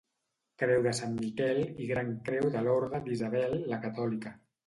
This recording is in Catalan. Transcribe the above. Creu de Sant Miquel i Gran Creu de l'orde d'Isabel la Catòlica.